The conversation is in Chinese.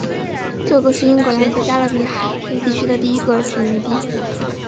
这个是英格兰在加勒比海地区的第一个殖民地。